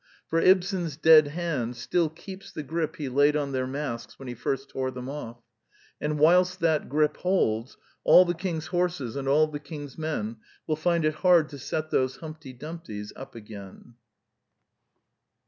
For Ibsen's dead hand still keeps the grip he laid on their masks when he first tore them off ; and whilst that grip holds, all the King's horses and all the King's men will find it hard to set those Humpty Dump ties up again.